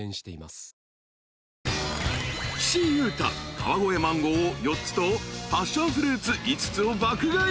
川越マンゴーを４つとパッションフルーツ５つを爆買い］